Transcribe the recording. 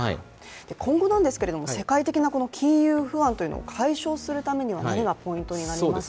今後なんですが、世界的な金融不安を解消するためには何がポイントになりますか。